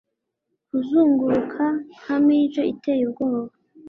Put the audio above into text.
Kuzunguruka nka midge iteye ubwoba